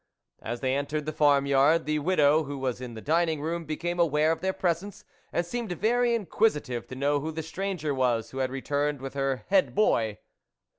As they entered the farm yard, the widow, who was in the dining room, became aware of their presence, and seemed very inquisitive to know who the stranger was THE WOLF LEADER 43 who had returned with her head boy.